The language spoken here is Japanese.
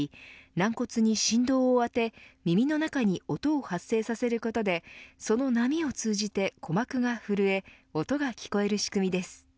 軟骨に振動を当て耳の中に音を発生させることでその波を通じて鼓膜が震え音が聞こえる仕組みです。